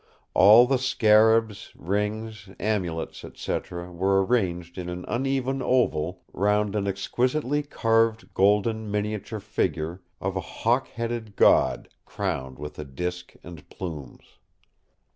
All the scarabs, rings, amulets, &c. were arranged in an uneven oval round an exquisitely carved golden miniature figure of a hawk headed God crowned with a disk and plumes.